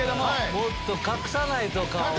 もっと隠さないと顔を。